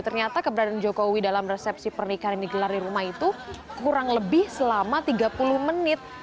ternyata keberadaan jokowi dalam resepsi pernikahan yang digelar di rumah itu kurang lebih selama tiga puluh menit